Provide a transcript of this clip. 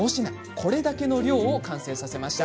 これだけの量を完成させました。